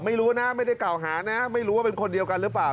ไม่รู้นะไม่ได้กล่าวหานะไม่รู้ว่าเป็นคนเดียวกันหรือเปล่า